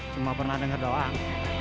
cuma pernah dengar doang